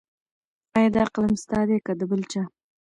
ایا دا قلم ستا دی که د بل چا؟